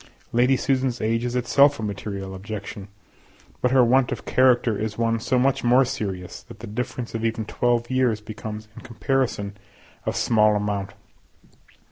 Lady Susan's age is itself a material objection, but her want of character is one so much more serious, that the difference of even twelve years becomes in comparison of small amount.